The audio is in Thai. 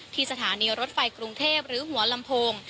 สถานีรถไฟกรุงเทพหรือหัวลำโพง